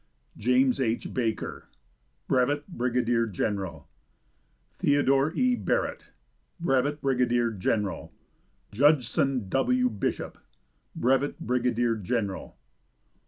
James H. Baker, Brevet Brigadier General. Theodore E. Barret, Brevet Brigadier General. Judson W. Bishop, Brevet Brigadier General.